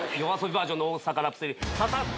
バージョンの『大阪ラプソディー』。